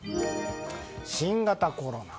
新型コロナ。